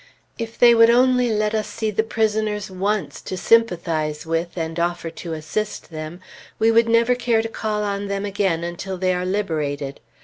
If they would only let us see the prisoners once to sympathize with, and offer to assist them, we would never care to call on them again until they are liberated.